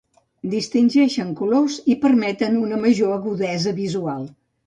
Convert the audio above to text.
Distingeixen colors i permeten una major agudesa visual.